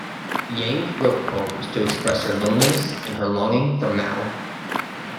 Yang wrote poems to express her loneliness and her longing for Mao.